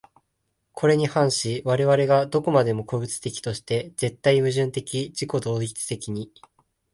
これに反し我々が何処までも個物的として、絶対矛盾的自己同一的に、